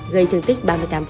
gây thương tích ba mươi tám